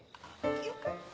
よかった。